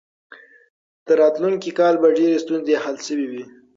تر راتلونکي کاله به ډېرې ستونزې حل شوې وي.